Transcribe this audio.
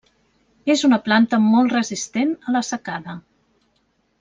És una planta molt resistent a la secada.